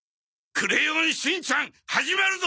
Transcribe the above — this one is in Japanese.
『クレヨンしんちゃん』始まるぞ。